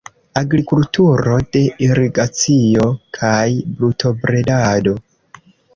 Agrikulturo de irigacio kaj brutobredado.